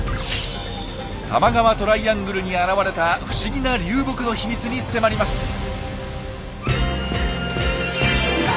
多摩川トライアングルに現れた不思議な流木の秘密に迫ります！